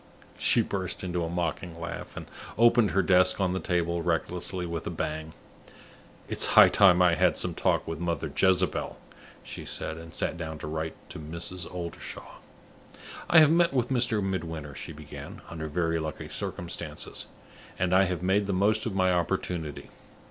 She burst into a mocking laugh, and opened her desk on the table recklessly with a bang. "It's high time I had some talk with Mother Jezebel," she said, and sat down to write to Mrs. Oldershaw. "I have met with Mr. Midwinter," she began, "under very lucky circumstances; and I have made the most of my opportunity.